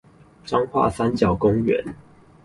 彰化三角公園